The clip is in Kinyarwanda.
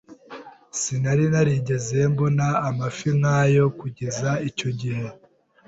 Sinari narigeze mbona amafi nk'ayo kugeza icyo gihe.